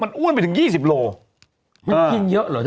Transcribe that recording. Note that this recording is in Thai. มันอ้วนไปถึง๒๐โหล